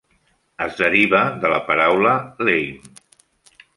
Es deriva de la paraula "lame".